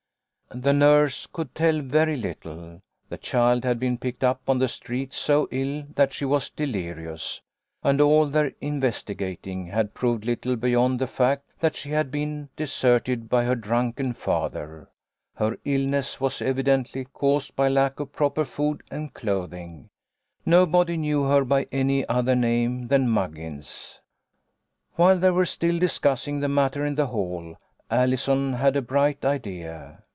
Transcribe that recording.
The nurse could tell very little. The child had been picked up on the street so ill that she was de lirious, and all their investigating had proved little beyond the fact that she had been deserted by her drunken father. Her illness was evidently caused by lack of proper food and clothing. Nobody knew her by any other name than Muggins. 210 THE LITTLE COLONEL'S HOLIDAYS. While they were still discussing the matter in the hall, Allison had a bright idea.